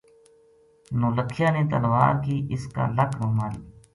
نو لکھیا نے تلوار کی اس کا لک ما ماری